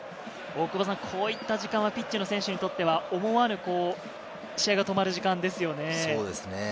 こういった時間はピッチの選手にとっては思わぬ試合が止まる時間ですよね。